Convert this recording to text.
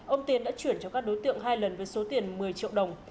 ông tiến đã chuyển cho các đối tượng hai lần với số tiền một mươi triệu đồng